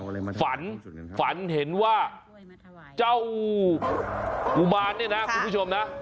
อะไรมันฝันฝันเห็นว่าเจ้ากุมารเนี่ยนะคุณผู้ชมนะ